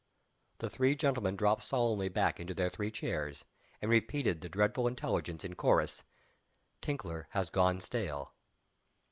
The three gentlemen dropped solemnly back into their three chairs, and repeated the dreadful intelligence, in chorus "Tinkler has gone stale."